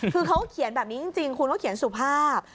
คือเขาเขียนแบบนี้จริงคุณเขาเขียนสุภาพ